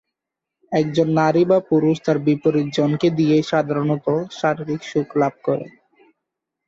একজন নারী বা পুরুষ তার বিপরীত জনকে দিয়েই সাধারণত: শারীরিক সুখ লাভ করে।